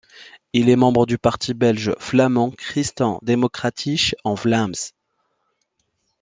Il est membre du parti belge flamand Christen-Democratisch en Vlaams.